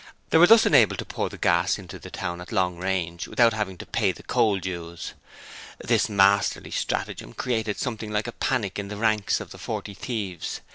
They were thus enabled to pour gas into the town at long range without having to pay the coal dues. This masterly stratagem created something like a panic in the ranks of the Forty Thieves.